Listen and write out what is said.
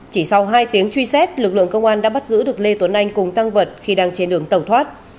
chỉ sau hai tiếng truy xét lực lượng công an đã bắt giữ được lê tuấn anh cùng tăng vật khi đang trên đường tẩu thoát